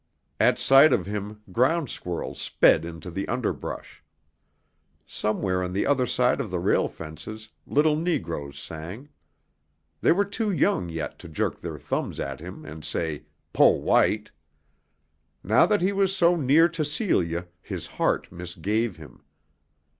At sight of him ground squirrels sped into the underbrush. Somewhere on the other side of the rail fences little negroes sang. They were too young yet to jerk their thumbs at him and say: "Po' white!" Now that he was so near to Celia his heart misgave him.